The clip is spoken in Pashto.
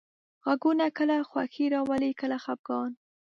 غږونه کله خوښي راولي، کله خپګان.